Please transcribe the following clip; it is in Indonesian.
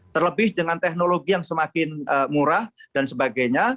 terlebih dengan teknologi yang semakin murah dan sebagainya